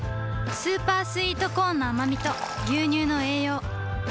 スーパースイートコーンのあまみと牛乳の栄養